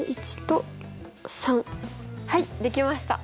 はいできました。